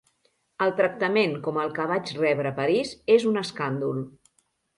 El tractament com el que vaig rebre a París és un escàndol.